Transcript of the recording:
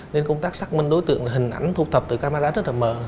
nên công tác xác minh đối tượng hình ảnh thuộc thập từ camera rất là mờ